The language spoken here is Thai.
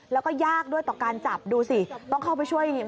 แล้วก็ยากด้วยต่อการจับดูสิต้องเข้าไปช่วยนี่